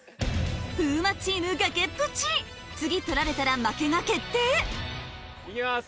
風磨チーム崖っぷち次取られたら負けが決定いきます。